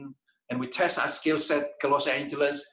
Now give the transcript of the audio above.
dan kita mencoba kemampuan kita di los angeles